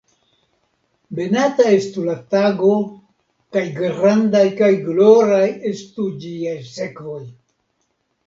Benata estu la tago, kaj grandaj kaj gloraj estu ĝiaj sekvoj!